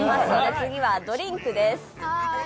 次はドリンクです。